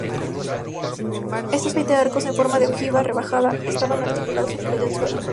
Estos veinte arcos en forma de ojiva rebajada, estaban articulados a nivel del suelo.